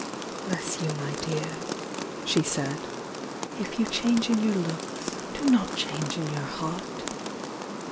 "Bless you, my dear!" she said. "If you change in your looks, do not change in your heart!"